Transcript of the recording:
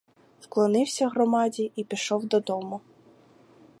Вклонився громаді і пішов додому.